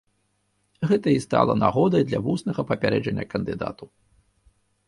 Гэта і стала нагодай для вуснага папярэджання кандыдату.